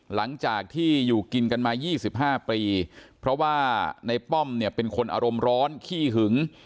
หลังจากที่อยู่กินกันมา๒๕ปีเพราะว่าในป้อมเนี่ยเป็นคนอารมณ์ร้อนขี้หึง